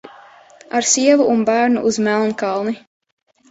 Ar sievu un bērnu uz Melnkalni!